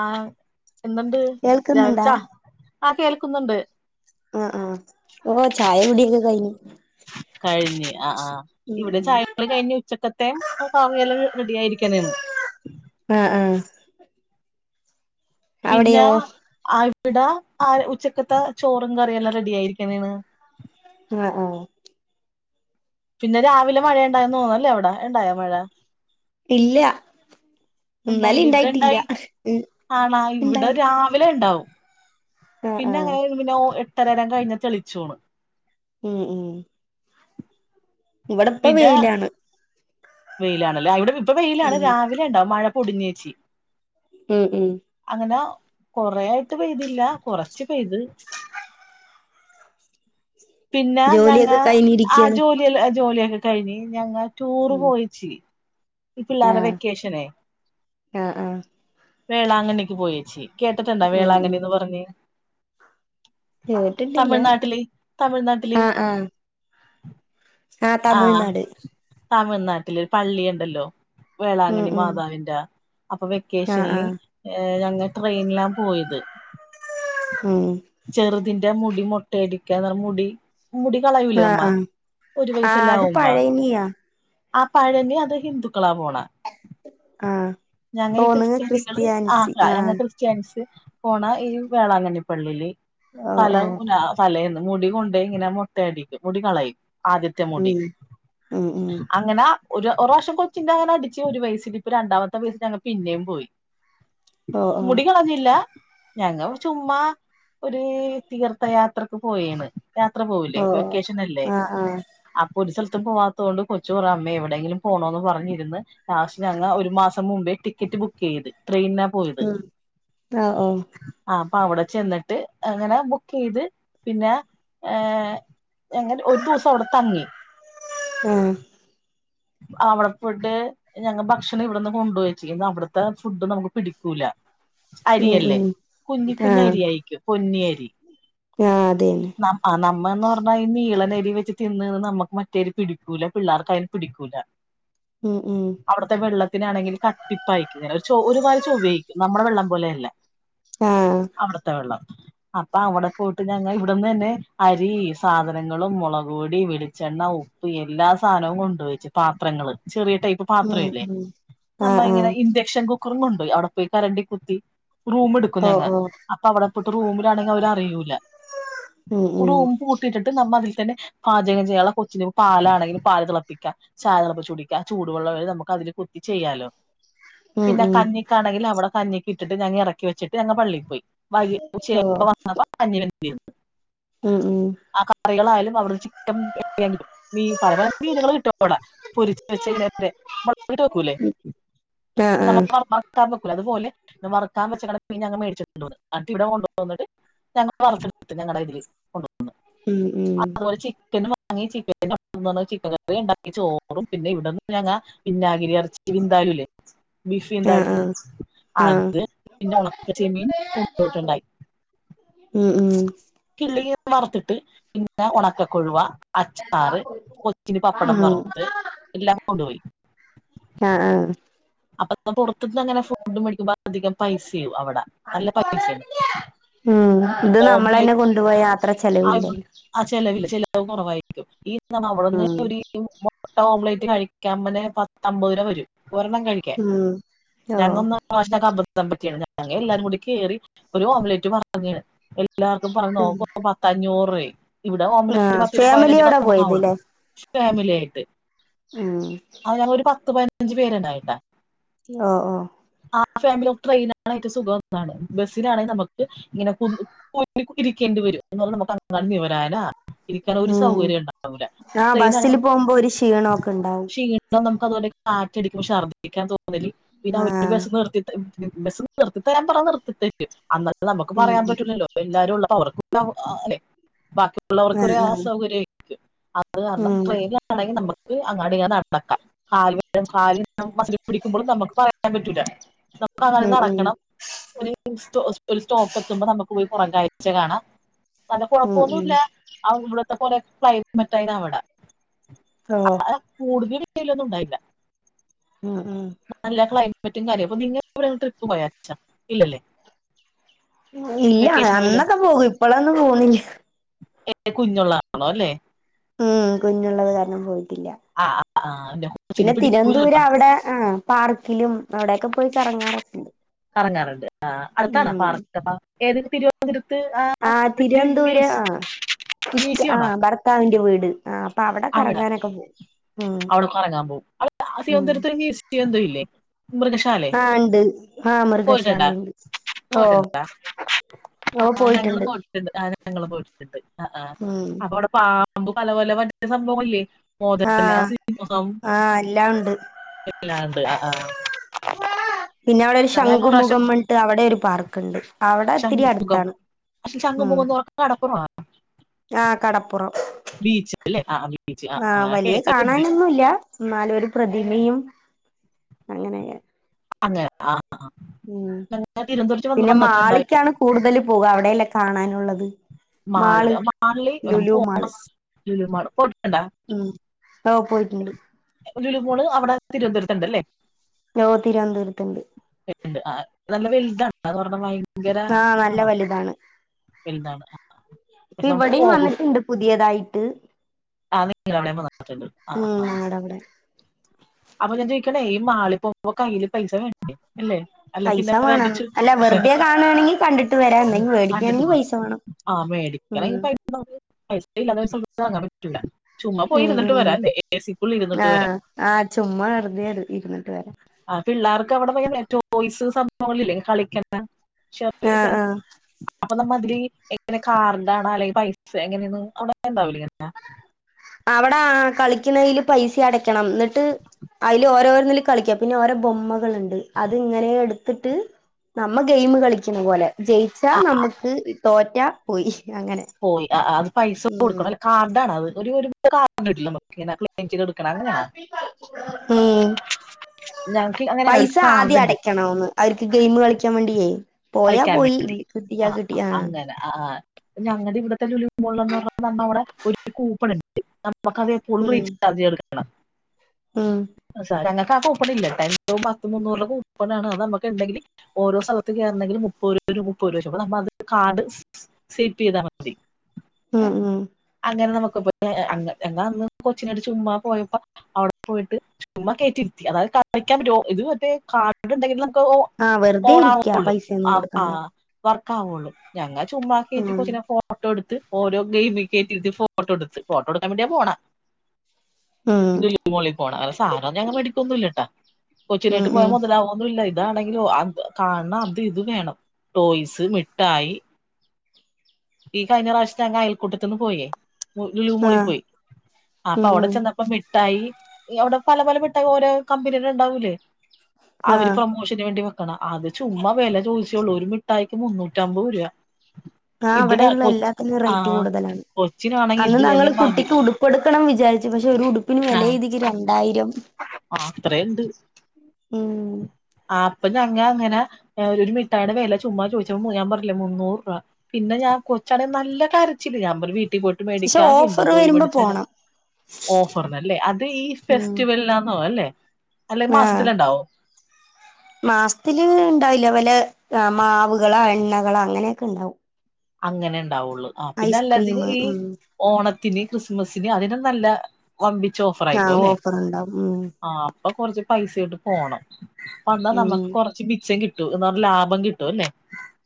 ആ എന്തുണ്ട് ചായ കേൾക്കുന്നുണ്ടാ കുടിച്ചോ ആ കേൾക്കുന്നുണ്ട് ആ കഴിഞ്ഞ് ആ ആ ഇവിടെ ഉം ചായകുടി കഴിഞ്ഞ് ഉച്ചക്കത്തെ കറിയെല്ലാം റെഡി ആയിരി ക്കെണേന്ന് ആ ആ പിന്നെ ആ ഇവിടെ ആ ഉച്ചക്കത്തെ ചോറും കറിയെല്ലാം റെഡിയായിരിക്കെണെണ് ആ ആ പിന്നെ രാവിലെ മഴയണ്ടായിയെന്ന് തോന്നുന്നുല്ലേ അവിടെ ഉണ്ടായോ മഴ ഇല്ല ഇന്നലെ ഇണ്ടായില്ല ഇവിടെ ഇണ്ടായിട്ടില്ല ഇണ്ടായി ഉം ആണോ ഇവിടെ ഇണ്ടായി രാവിലെ ഇണ്ടാവും ആഹ് ആഹ് പിന്നെങ്ങനെ വരുമ്പോ പിന്നെ ഓ എ ത്തരേടം കഴിഞ്ഞ [unintelligible] ഉം ഉം ഇവിടിപ്പോ പിന്നെ വെയിലാണ് വെയിലാണല്ലേ ആ ഇവിടെ ഇ പ്പ വെയിലാണ് ഉം രാവിലെ ഇണ്ടാവും മഴ പൊടിഞ്ഞേച്ച് ഉം ഉം എന്നാ കൊറേ ആയിട്ട് പെയ്തില്ല കൊറ ച്ച് പെയിതു പിന്നെ ഞങ്ങ ജോലിയൊക്കെ ആ കഴിഞ്ഞിരിക്കയാണ് ജോലിയല്ല ജോലിയ കഴിഞ്ഞ് ഞങ്ങ ടൂറ് ഉം പോയിച്ചി ഈ പിള്ളേരുടെ ആഹ് വെക്കേഷനെ ആഹ് ആഹ് വേളാങ്കണ്ണിക്ക് പോയേച്ചി കേട്ടിട്ടുണ്ടാ ഉം ഉം വേളാങ്കണ്ണീന്ന് പറഞ്ഞ് കേട്ടിട്ടില്ല തമിഴ്നാട്ടില് തമിഴ്നാട്ടില് ആഹ് ആഹ് ആഹ് ആ തമിഴ്നാട് തമിഴ്നാട്ടില് പള്ളിണ്ടല്ലോ ഉം വേളാങ്ങണി ഉം മാതാവിന്റെ അപ്പൊ ആഹ് വെക്കേഷനിൽ ആഹ് ഞങ്ങ ട്രെയിനിലാ പോയത് ആ ഉം ഇതിന്റെ മുടി മുട്ടയടിക്കാത മുടി മുടി കളയൂലേ നമ്മ ആ വയസ്സെല്ലാം അത് ആവുമ്പ പഴയനിയാ ആ പഴനി അത് ഹിന്ദുക്കളാ പോണ ആഹ് ഞങ്ങീ ഓ നിങ്ങ ക്രിസ്ത്യാനികള് ക്രിസ്ത്യാനിസി ആഹ്ല ഞങ്ങ ആഹ് ക്രിസ്ത്യൻസ് പോണ ഈ വേളാങ്ങണി പള്ളിയില് ഓ ഫല ഓ ന ഫല എ മുടി കൊണ്ടായി ഇങ്ങനെ മൊട്ടയടിക്കും മുടി കളയും ആദിത്യ ഉം മൂടി ഉം ഉം അങ്ങനാ ഒരു ഒ വർഷം കൊച്ചിന്റെ അങ്ങനെ അടിച്ച് ഒരു വയസിൽ ഇപ്പൊ രണ്ടാമത്തെ വയസിൽ ഞങ്ങ പിന്നേയും പോയി ഓ ഓ മുടി കളഞ്ഞില്ല ഞങ്ങ ചുമ്മാ ഒരു തീർത്ഥയാത്രക്ക് പോയാണ് യാത്ര ഓ പോവലേ ഓ വെക്കേഷനല്ലേ ആഹ് ആഹ് ആപ്പൊല്സ ത്തും പോവാത്ത കൊണ്ട് കൊച്ച് പറ അമ്മേ എവിടെയെങ്കിലും പോണോന്ന് പറഞ്ഞിരുന്ന് ലാസ്റ്റ് ഞങ്ങള് ഒരു മാസം മുമ്പേ ടിക്കറ്റ് ബുക്ക് ചെയ്ത് ട്രയിനാ പോയത് ഉം ആഹ് ഓ ആ അപ്പ അവിടെ ചെന്നിട്ട് അങ്ങനെ ബുക്ക് ചെയ്ത് പിന്നെ ഞങ്ങ ഒരു ദിവസം അവിടെ തങ്ങി ഉം അവിടെ പോയിട്ട് ഞങ്ങള് ഭക്ഷണം ഇവിടെന്ന് കൊണ്ട് പോയിര്ന്നു അവിടുത്തെ ഫുഡ് നമുക്ക് പിടിക്കൂല ഉം അരിയല്ലേ ഉം കുഞ്ഞി കുഞ്ഞ അരിയായിരിക്കും പൊന്നിയരി ഉ ആ അതേന്നെ എന്ന് പറഞ്ഞാ ഈ നീളനരി വെച്ച് തിന്ന്ന്ന് നമുക്ക് മറ്റേരി പിടിക്കൂല പിള്ളേർക്ക പിടിക്കൂല ആഹ് ആ ത്തിനാണെങ്കിൽ കട്ടിപ്പ അയക്കു ഒരു ചൊ ഒരുപാട് ചൊവായിരിക്കും നമ്മുടെ വെള്ളം പോലെ അല്ല ആഹ് അവിടുത്തെ വെള്ളം അപ്പൊ അവിടെ പോയിട്ട് ഞങ്ങ ഇവിടന്ന് തന്നെ അരി സാധനങ്ങളും മുളക് പൊടി വെളിച്ചെണ്ണ ഉപ്പ് എല്ലാ സാധനവും കൊണ്ട് കൊണ്ട് വെച്ച് പാത്രങ്ങള് ചെറിയ ടൈപ്പ് ഉം പാത്രമില്ലേ ഉം നമ്മ ആഹ് ഇങ്ങനെ ആഹ് ഇൻഡക്ഷൻ കു ക്കാറും കൊണ്ടോയി അവിടെ പോയി കരണ്ടി കുത്തി റൂം എടുക്കും ഓ ഞങ്ങ ഓ അപ്പൊ അവിടെ ഇപ്പോടത്തെ റൂമിലാണെങ്കിൽ അവര് അറിയൂല്ല ഉം ഉം ഒരു ഉമ്പ് കൂട്ടിട്ടിട്ട് നമ്മ തി ന്നെ പാചകം ചെയ്യാനുള്ള കൊച്ചിന് പാലാണെങ്കി പാൽ തിളപ്പിക്കും സാധനപ്പ ചുടിക്ക ചൂടുവെള്ളവരെ നമുക്ക് അതില് കുത്തി ചെയ്യാലോ ഉം പിന്നെ ഉം കഞ്ഞിക്കാണെങ്കിൽ അവിടെ കഞ്ഞിക്ക് ഇട്ടിട്ട് ഞങ്ങ എറക്കി വെചിട്ട് ഞങ്ങ പള്ളിൽ പോയി വൈകി [unintelligible] ഓ വന്നപ്പ [inaudible] നിയം ഉം ഉം ആ കറികളായാലും [unintelligible] ചിക്കൻ [inaudible] മീൻ പല പല മീനുകൾ കിട്ടും [unintelligible] പൊരിച്ച വെച്ചങ്ങനെ മ്മള് വീട് വെക്കൂല്ലേ ആഹ് [inaudible] ആഹ് അത് വെക്കൂല അത് പോലെ നമ്മൾ അറുക്കാൻ വെച്ചേക്കണ മീൻ ഞങ്ങ മേടിച്ചോണ്ട് വന്നത് അത് ഇവിടെ കൊണ്ട് വന്നിട്ട് ഞങ്ങള് അറുത്തു എടുത്തു ഞങ്ങടെ ഇതില് കൊണ്ട് ഉം ഉം അതുപോലെ ചി ചിക്കൻ വാങ്ങി ചിക്കൻ [inaudible] ചിക്കൻ കറിണ്ട ചോറും പിന്നെ ഇവിടന്ന് ഞങ്ങാ പിന്നാഗിരി അരച് വിന്താലു ഇല്ലേ ബിഫ് വിന്താലു ആഹ് ആഹ് ആഹ് അത്പിന്നെ ഒണക്ക ചെമ്മീൻ കൊണ്ടോട്ടുണ്ടായി ഉം ഉം ഉം കില്ലങ്കി വറത്തിട്ട് പിന്നെ ഉണക്കക്കൊഴുവ അച്ചാറ് കൊച്ചിന് പപ്പടം ആഹ് വറുത്ത് എല്ലാം കൊണ്ടുപോയി [unintelligible] ആഹ് പൊറത്തുന്ന് അങ്ങനെ ഫുഡും മേടിക്കുമ്പോ അധികം പൈസയാവും അവിട നല്ല പൈസയാണ് മ് ഇത് നമ്മൾ തന്നെ ഓംലെറ്റ് കൊണ്ടുപോയ യാത്ര ചെലവില്ലല്ലോ ആ ചെലവില്ല കുറവായിരിക്കും ഈ അവിടെന്ന് ഉം ഒരു മുട്ട ഓംലെറ്റ് കഴിക്കാ പറഞ്ഞു പത്തു അമ്പത് രൂപ വരും ഒരെണ്ണം കഴിക്കാൻ ഉം ഓ ഞങ്ങൊന്നങ്ങനെ [inaudible] പതം പറ്റിയാണ് ഞങ്ങ എല്ലാരും കൂടി കെ റി ഒരു ഓംലേറ്റ് അങ്ങനെ എ ല്ലാർക്കും പറഞ്ഞ ഉം നോക്ക പത്തഞ്ഞൂറ് [unintelligible] ഇവിടെ ഒമ്റ്റ് ല ആഹ് പത്തി പതിനഞ്ച്ക്കെ ഫാമിലിയോടെ നമുക്ക് പോയത് ല്ലേ [unintelligible] ഫാമിലിയാട്ട് ഉം ഞ്ചു പേരിണ്ടായിട്ടാ ഓ ഓ ആ ഫാമിലി ട്രെയിനാണങ്ക റ്റവും സുഖാണ് ബസ്സിനാണങ്കിൽ നമുക്ക് ഇങ്ങനെ കു കുരിക്കേണ്ടി വരും എന്ന നമുക്ക് അങ്ങ വിവരാനാ ഇരിക്കാന ഒരു ഉം സൗകര്യം ആ ഉണ്ടാവില്ലെന ബസ്സില് പോകുമ്പോ ഒരു ക്ഷീണൊക്കെ [unintelligible] ഉണ്ടാവും ക്ഷീണ അതോലെ കാറ്റാടിക്കമ്പോ ശർദ്ിക്ക മു പിന്നെ ആഹ് [unintelligible] നിർത്തിട്ട് ബസ്സ് നിർത്തിത്തരാൻ പറ നിർത്തിത്തേരും അത് ഉം പറയാൻ പറ്റൂല്ലല്ലോ എല്ലാരും അവർക്ക് [unintelligible] ബാ ക്ക്ള്ളവർക്കൊരു ആ സൗകര്യം [unintelligible] അത് കാരണം ഉം ട്രെനി ആണെങ്കി നമ്മു ത് അങ്ങാടി ഇങ്ങെ നടക്കാം കാല് വേ കാല്നു മസി പിടിക്കുമ്പൊളും നമുക്ക് പറയാൻ പറ്റൂല. നമുക്ക് അങ്ങന ഉം ഉം നടക്കണം, ഒരു സ്ചോ പിൽസ്. സ്റ്റോപ്പ് എത്തുമ്പോ നമുക്ക് പോയി പുറം കാഴ്ച കാണാം. വല്ല ഉം കുഴപ്പ ഒന്നു ഉം ഇല്ല [unintelligible] ഇപ്പകൊറെ ക്ലെ മറ്റായിടെ അവിടെ. ഓ ആ കൂടതലും ഏയ് ഇല്ല ഒന്നും ഉണ്ടായില്ല. ഉം ഉം നല്ലക്ലൈ മറ്റും കാര്യം അപ്പൊ നിങ്ങ എവിടെ ട്രിപ്പ് പോയാച്ച ഇല്ലല്ലേ? ഇല്ല വെക്കേഷന് പോലെ അന്നൊക്കെ പോകും, ഇപ്പഴങ്ങും പോണില്ല. കുഞ്ഞുള്ള ക [unintelligible] ണം അല്ലേ? ഉം കുഞ്ഞുള്ളത് കാരണം പോയി. ഇല്ല, ആ ആ, എന്റെ കൊച്ചിന് തിരുത്തി പിടിക്കൂല ചിലപ്പോ തിരുവനന്തപുരം അവിടെ ആ പാർക്കിലും, അവിടൊക്കെ പോയി കറങ്ങാറുക്കെയുണ്ട് കറങ്ങാറൊക്കെണ്ട് കറങ്ങാറുണ്ട്. ആ അടുത്താണ? ഉം പാർക്കപ്പ. ഏതൊക്കെ [unintelligible] ആ ഒരു തിരുവനന്തപുരം ആ ആ ഭർത്താവിന്റെ വീട് ആ അപ്പൊ അവിടെ അവിട കറങ്ങാനൊക്കെ പോകും ഉം അവിടെ കറങ്ങാൻ പോവും അവിടെ ഉം തിരുവനന്തപുരത്ത് മ്യൂസിയോ എന്തോ ഇല്ലേ മൃഗശാലെ ആഹ് ഇണ്ട് ആഹ് മൃഗശാല പോയിട്ടുണ്ടാ ഇണ്ട് ഓ പോയിട്ടുണ്ടാ ആ ഞങ്ങളും പോയിട്ടുണ്ട് ആ ഞങ്ങളും പോയിട്ടുണ്ട് ആ ആ ഉം അവിടെ പാമ്പ് മ്പോ പല പല പല റ്റേ സംഭവങ്ങളില്ലേ മൊതല, ആഹ് സിംഹം ആഹ് എല്ലാം ഉണ്ട് എല്ലാ [unintelligible] പിന്നെ അവിടെ ഒരു ഞാൻ പ്രാവശ്യം ശംഖുമുഖം പട്ട് അവിടൊരു പാർക്കുണ്ട് അവിടെ ഇത്തിരി ശംഖുമുഖം അടുത്താണ് പക്ഷെ ഉം ശംഖുമുഖം എന്ന് പറഞ്ഞാൽ കടപ്പുറമാണ് ആ കടപ്പുറം ബീച്ച് അല്ലേ ആ ബീച്ച് ആ വലിയ കേട്ടിട്ടുണ്ട് കാണാനൊന്നുമില്ല എന്നാലു ഒരു പ്രതിമയും അങ്ങനെയാ അതെ ആ ഉം ഞങ്ങൾ തിരുവനന്തപുരത്ത് വന്ന് പിന്നെ വന്നിട്ടുണ്ടായി മാളിക്കാണ് കൂടുതൽ പോകുക അവിടെ അവിടെയല്ലേ കാണാനുള്ളത് മാള് മാളില് മാളില് ലുലു മാള് [unintelligible] ലുലുമാള് പോയിട് ഉം ഓ പോയിട്ടുണ്ട് ലുലു മോള് അവിടെ തിരുവനന്തപുരത്തുണ്ടല്ലേ നോ തിരുവനന്തപുരത്തുണ്ട് അതൊരണ്ണം വാങ്ങി ആഹ് നല്ല വലുതാണ് വലുതാണ് ഇപ്പ പക്ഷെ നമുക്ക് ഇവിടെയും വന്നിട്ടുണ്ട് പുതിയതായിട്ട് ഉ ആഹ് നിങ്ങടെ അവിടേം വന്നിട്ടുണ്ട് ആ ആ ഞങ്ങടെ അവിടെ അപ്പൊ ഞാൻ ചോദിക്കണേ ഈ മാളി പോവുമ്പോ കയ്യില് പൈസ വേണ്ടേ അല്ലേ അല്ലെ പൈസ പിന്നെ വെറുതെ വേണം ചു- അല്ല വെറുതെ കാണുവാണെങ്കിൽ കണ്ടിട്ട് വരാ എന്തെങ്കിലും കണ്ടിട്ട് മേടിക്കയാണെങ്കിൽ പോരാ പൈസ വേണം ഉം അത് എല്ലാ ദിവസവും ഇവിടെന്ന് വാങ്ങാൻ പറ്റൂല്ല ചുമ്മാ ഉം പോയിരുന്നിട്ട് ഉം വരാല്ലേ ഏ സിക്കുള്ളിൽ ഇരുന്നിട്ട് വരാം വെറുതേ ഇര് ഇര്ന്ന്ട്ട് വരാ അ പിള്ളേർക്ക് അവിടെ [unintelligible] ടോയ്സ് സംഭവങ്ങൾഇല്ലേ കളിക്കന്നേ ആഹ ആഹ മാതിരി എങ്ങനെ കർടാണോ അല്ലെങ്കിൽ പൈസ എങ്ങനെയാണ് ഉണ്ടാകില്ലേ അങ്ങനെ? അവിടെ കളിക്കുന്നതിന് പൈസ അടക്കണം. എന്നിട്ട് അതില് ഓരോന്നിലും കളിക്കാം പിന്നെ അതിൽ ഓരോ ബൊമ്മകളുണ്ട്. അത് ഇങ്ങനെ എടുത്തിട്ട് നമ്മ ഗെയിം കളിക്കണ പോലെ. ജയിച്ചാ ആ നമുക്ക്, തോറ്റ ട്ട പോയി. അങ്ങനെ പോയി അ അത് പൈസ ഉം കൊടുക്കണം ലേ കാർഡ് ആണോ അത്? ഒരു [unintelligible] എടുക്കണം അങ്ങനെയാണ് ഉം. ഞങ്ങൾക്ക് അങ്ങനെയാണ് ഒരു പൈസ കാർഡ് ആദ്യം ഉണ്ട് അടക്കണമെന്ന്. അവർക്ക് ഗെയിമ് കളിക്കാൻ വേണ്ടിയെ. കളിക്കാൻ വേണ്ടി. ആ അങ്ങനെ. ആ ഞങ്ങുടെ ഇവിടത്തെ ലുലുമാളിൽ പറഞ്ഞ നമ്മവിടെ ഒരു പ നമ്മുക്ക് അത്ഫുൾ ഉം റീചാർജ് എടുക്കാം. ഉം ണ. അ. കൂപ്പൺ ഇല്ല ഇവിടെ. പത്ത് മുന്നൂർ രൂപയുടെ കൂപ്പൺആണ്. അത് നമുക്ക് ഉണ്ടെങ്കിൽ ഓരോ സ്ഥലത്ത് മുപ്പത് രൂപ മുപ്പത് രൂപത് തരും. കാർഡ് സേപ്പ് ചെയ്താൽ മതി ഉം ഉം. അങ്ങനെ നമുക്ക് കൊച്ചിനെയും കൊണ്ട് ചുമ്മാ പോയപ്പോ അവിടെ പോയിട്ട് ചുമ്മാ കയറ്റിയിരുത്തി. അതായത് കളിക്കാൻ പറ്റോ ഇത് മറ്റേ കാർഡ്ഉണ്ടങ്കിലേ നമ്മ ഒ ആ വെറുതെ ഇരിക്കാ ഓണാവുള്ളൂ. ആ പൈസയൊന്നും കൊടുക്കണ്ട വർക്ക്‌ ആകുള്ളൂ. ഞങ്ങ ചുമ്മാ കയറ്റി ഉം കൊച്ചിനെ ഫോട്ടോ എടുത്ത് ഓരോ ഗെയിം കയറ്റി ഇരുത്തി ഫോട്ടോ എടുത്ത്. ഫോട്ടോ എടുക്കാൻ വേണ്ടിയാ പോണ ഉം ലുലുമോളിൽ പോണം. അത് സാധനൊന്നും ഞങ്ങ മേടിക്കൊന്നുംല്ലട്ടാ. ഉം കൊച്ചിനെയായിട്ടു പോയാൽ ഉം മുതലാവൊന്നും ഇല്ല ഇതാണെങ്കിലോ കാണണം അത് ഇത് വേണം ടോയ്സ് മിഠായി. ഈ കഴിഞ്ഞ പ്രാവശ്യത്തെ അയൽക്കൂട്ടത് തുന്നു പോയേ. ആ ലുലുമാളിൽ പോയി. അപ്പൊ ഉം അവിടെ ഉം ചെന്നപ്പോ മിട്ടായി അവിടെ പല പല മിട്ടായി ഓരോ കമ്പനിടെ ഉണ്ടാവൂലേ? ആ അവര് പ്രൊമോഷന് വേണ്ടി അത് ചുമ്മാ വില ചോദിച്ചേയുള്ളു. ഒരു മിഠായിക്ക് മുന്നൂറ്റ അമ്പത് രൂപ ആ ഇതിനാ അവിടെയുള്ള കൊച്ച് എല്ലാത്തിനും ആ റേറ്റ് കൂടുതലാ കൊച്ചിനാണെങ്കി അന്ന് ഇത് തന്നെ നങ്ങള് മതി കുട്ടിക്ക് ഉടുപ്പ എടുക്കണം വിചാരിച്ചു. പക്ഷെ ഒരു ഉടുപ്പിന് വില എയ്തിക്ക രണ്ടായിരം. അത്രേ ഇണ്ട് ഉം ആപ്പ് പിന്നെ ഞങ്ങെ അങ്ങനെ ഒ ഒരു മിട്ടായിടെ വെല ചുമ്മാ ചോദിച്ചപ്പൊ ഞാൻ പറഞ്ഞില്ലെ മുന്നൂറ് രൂപ പിന്നെ ഞാൻ കൊച്ചാണെ നല്ല കരച്ചില് ഞാൻ പറഞ്ഞ് വീട് ട്ടീ പോയ്‌ട്ട് പക്ഷെ മേടിക്കാ കിണ്ടർ ഓഫർ ജോയ് വരുമ്പോ മേടിച്ചരാ പോണം ഓഫറിനല്ലേ അത് ഈ ഫെസ് ഉം ആന്നോ അല്ലേ ആ മാസത്തില് ഇണ്ടാവില്ല വല്ല ആ മാവ്കളോ എണ്ണകളോ അങ്ങനെക്ക ഇണ്ടാവും അങ്ങനെണ് ണ്ടാവുള്ളൂ ആ പിന്നെ അല്ലാതിനി ഈ ഉം ഓണ ത്തിന് ക്രിസ്മസിന് അതിനും നല്ല വമ്പി ആ ഓഫർണ്ടാവും ഉം പ്പൊ കൊറച്ച് പൈസായിട്ട് പോണം അപ്പന്ന ഉം നമ്മക്ക് കൊറച്ച് മിച്ചം കി ട്ടു എന്ന് പറഞ്ഞ ലാഭം കിട്ടു അല്ലെ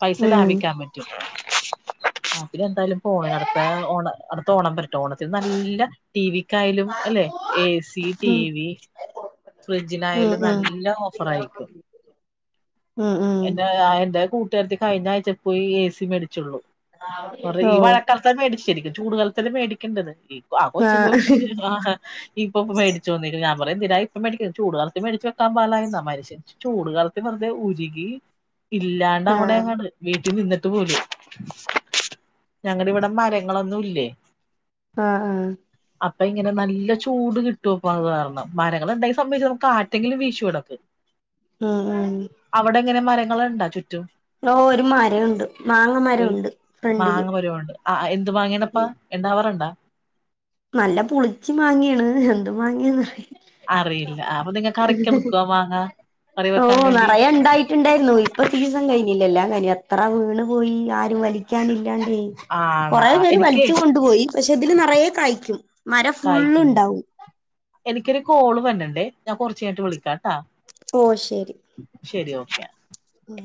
പൈസ ഉം ലാഭിക്കാൻ പറ്റു ആ പ്പിനിന്തായാലും പോണം അടുത്ത ഓണ അടുത്ത ഓണം വര ട്ടോണത്തിന് നല്ല ടി വി ക്കായാലും അല്ലെ എ സി, ടി ഉം ഉം വി ഉം ഫ്രിഡ്ജിനായാലും ഉം നല്ല ഓഫറായിക്കും ഉം ഉം എന്റെ അയൽ ന്റെ കൂട്ടുരത്തി കഴിഞ്ഞയച്ച പോയി ഏ സി മേടിച്ചുള്ളു കുറേ ഈ ഓ വഴക്കാലത്ത മേടിച് ശരിക്ക് ചൂട് കാലത്തല്ലേ മേടിക്കേണ്ടത് എ സി ആ കൊച്ച് ആഹ് പോയിട്ട് ആഹ് ഇപ്പൊ മേടിച്ചു വന്നേക്കണ് ഞാൻ കുറേ നേരായി പ്പ മേടിക്കത് ചൂട് കാലത്ത് മേടിച്ച് വെക്കാൻ പാടില്ലായിര്ന്നാ മനുഷ്യൻ ച് ചൂട് കാലത്ത് വെറുതെ ഉരുകി ആഹ് ഇല്ലാണ്ടാവണേകട് വീട്ടിൽ നിന്ന് ട്ട് പോലും ഞങ്ങടെവിടെ മരങ്ങളൊന്നും ഇല്ലേ ആഹ് ആഹ് അപ്പ ഇങ്ങനെ നല്ല ചൂട് കി ട്ടുപ്പത് കാരണം മര ങ്ങള്ണ്ടെങ്കി സമ്മയിച്ചോ കാറ്റെങ്കിലും വീശുടക്ക് ഉം ഉം അവിടെങ്ങനെ മര ങ്ങള്ണ്ട ചു ഓ ഒരു മരുണ്ട് മാങ്ങ ഒരു മരുണ്ട് ഫ്രണ്ടില് മാങ്ങ മരമുണ്ട് ആ ആ എ ന്ത്‌ മാങ്ങിയാണപ്പാ ഉം ഇണ്ടാവാറ്ണ്ടാ നല്ല പുളിച്ചി മാങ്ങിയാണ് എന്ത് മാങ്ങയാന്നറി അറിയില്ല അപ്പൊ നിങ്ങ കറിക്കെടുക്കോ മാങ്ങാ കറി ഓ വെക്കാൻ വേണ്ടി നിറയെ അയ്ന് എത്ര വീണ് പോയി ആരും വലിക്കാനി ക്കാന് ആണ കൊറെ പേര് എനിക്കേ വലിച്ചു കൊണ്ടുപോയി പക്ഷെ അതില് നിറയെ കയ് മരം ഫുള്ള് കായ്ക്കണത് ഉണ്ടാവും എനിക്കൊരു കോള് വന്ന്ണ്ടേ ഞാൻ കുറച്ചു കഴിഞ്ഞിട്ട് വിളിക്ക അ ഓ ശരി ശരിയോ അ ഉം